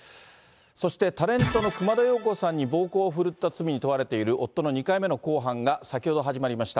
そして、タレントの熊田曜子さんに暴行を振るった罪に問われている夫の２回目の公判が先ほど始まりました。